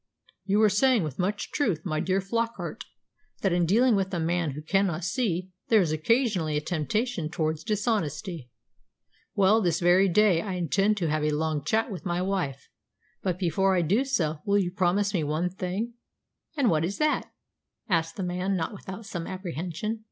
"You were saying with much truth, my dear Flockart, that in dealing with a man who cannot see there is occasionally a temptation towards dishonesty. Well, this very day I intend to have a long chat with my wife, but before I do so will you promise me one thing?" "And what is that?" asked the man, not without some apprehension.